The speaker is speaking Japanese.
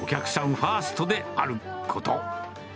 ファーストであること。